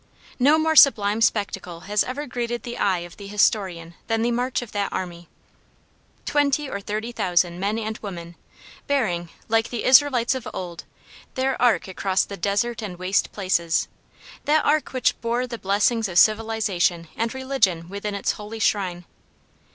No more sublime spectacle has ever greeted the eye of the historian than the march of that army. Twenty or thirty thousand men and women, bearing, like the Israelites of old, their ark across the desert and waste places that ark which bore the blessings of civilization and religion within its holy shrine!